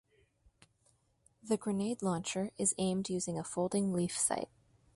The grenade launcher is aimed using a folding leaf sight.